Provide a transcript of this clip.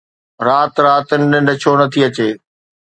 رات رات ننڊ ڇو نٿي اچي؟